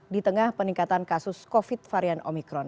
di tengah peningkatan kasus covid varian omikron